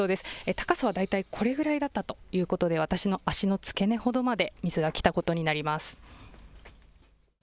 高さは大体これぐらいだったということで、私の足の付け根ほどまで水が来たことになります。